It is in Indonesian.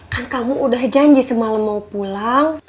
kan kamu udah janji semalam mau pulang